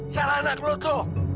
salah anak lo tuh